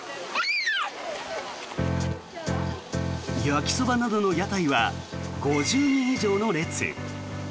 焼きそばなどの屋台は５０人以上の列。